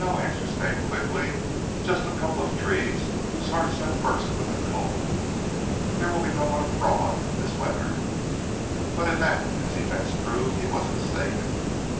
answered Stane quickly. "Just a couple of trees whose hearts have burst with the cold. There will be no one abroad this weather." But in that, as events proved, he was mistaken.